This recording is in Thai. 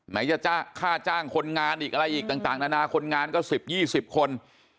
ไหนจะค่าจ้างคนงานอีกอะไรอีกต่างนานาคนงานก็๑๐๒๐คน